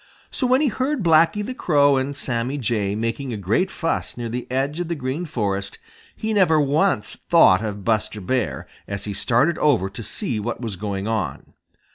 So when he heard Blacky the Crow and Sammy Jay making a great fuss near the edge of the Green Forest, he never once thought of Buster Bear, as he started over to see what was going on.